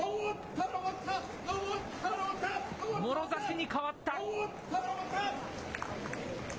もろ差しにかわった。